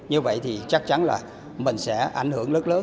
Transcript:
như vậy thì chắc chắn là mình sẽ ảnh hưởng rất lớn